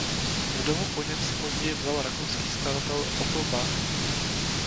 Vdovu po něm si později vzal rakouský skladatel Otto Bach.